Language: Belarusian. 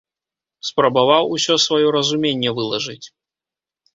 Спрабаваў усё сваё разуменне вылажыць.